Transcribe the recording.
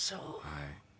はい。